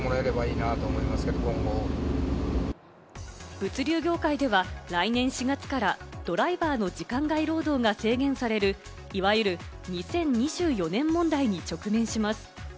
物流業界では来年４月からドライバーの時間外労働が制限される、いわゆる２０２４年問題に直面します。